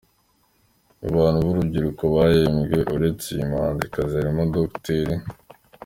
Mu bantu b'urubyiruko bahembwe, uretse uyu muhanzikazi harimo Dr.